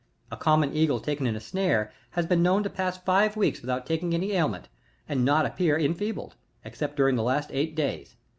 A common eagle taken in a snare, has been known to pass five weeks without taking any aliment, and not ap pear enfeebled, except during the last eight days.